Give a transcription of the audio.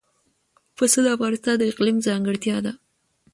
پسه د افغانستان د اقلیم ځانګړتیا ده.